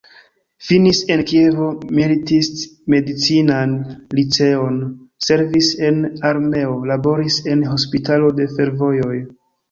Finis en Kievo militist-medicinan liceon, servis en armeo, laboris en hospitalo de fervojoj.